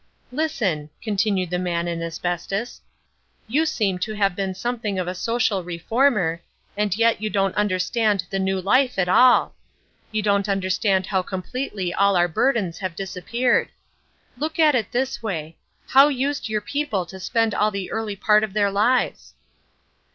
Listen," continued the Man in Asbestos, "you seem to have been something of a social reformer, and yet you don't understand the new life at all. You don't understand how completely all our burdens have disappeared. Look at it this way. How used your people to spend all the early part of their lives?"